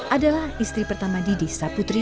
adalah istri pertama didi saputri